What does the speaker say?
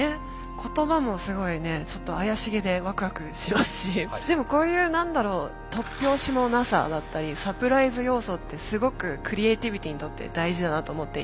言葉もすごいねちょっと怪しげでワクワクしますしでもこういう何だろう突拍子のなさだったりサプライズ要素ってすごくクリエーティビティーにとって大事だなと思っていて。